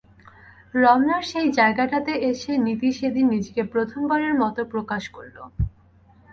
রমনার সেই জায়গাটাতে এসে নিতি সেদিন নিজেকে প্রথমবারের মতো প্রকাশ করল।